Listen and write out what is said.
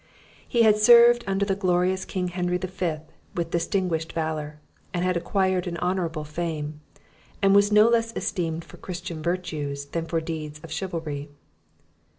He had served under the glorious King Henry the Fifth with distinguished valour, had acquired an honourable fame, and was no less esteemed for Christian virtues than for deeds of chivalry.